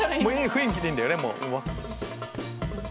雰囲気でいいんだよね。